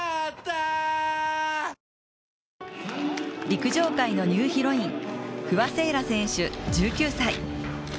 ＪＴ陸上界のニューヒロイン不破聖衣来選手、１９歳。